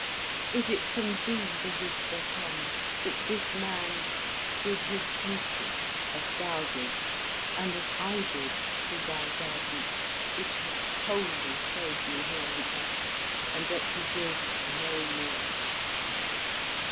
Is it from thee the whisper comes, that this man did his duty as thou didst, and as I did, through thy guidance, which has wholly saved me here on earth, and that he did no more?"